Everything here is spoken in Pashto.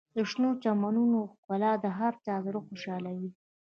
د شنو چمنونو ښکلا د هر چا زړه خوشحالوي.